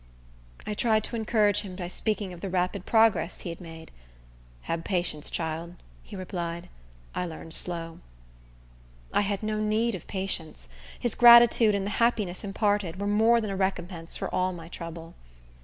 I tried to encourage him by speaking of the rapid progress he had made. "Hab patience, child," he replied. "I larns slow." I had no need of patience. His gratitude, and the happiness imparted, were more than a recompense for all my trouble.